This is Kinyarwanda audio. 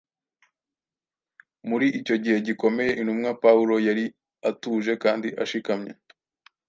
Muri icyo gihe gikomeye, intumwa Pawulo yari atuje kandi ashikamye.